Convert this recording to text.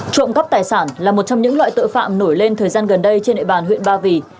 trộm cắp tài sản là một trong những loại tội phạm nổi lên thời gian gần đây trên địa bàn huyện ba vì